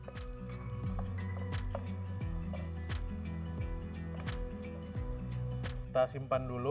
kita simpan dulu